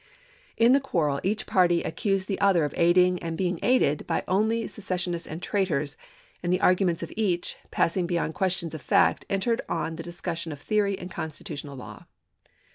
In the quarrel each party accused the other of aiding and being aided by only secession ists and traitors, and the argument of each, passing beyond questions of fact, entered on the discussion of theory and constitutional law.